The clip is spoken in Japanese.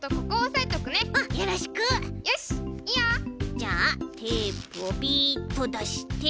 じゃあテープをビッとだして。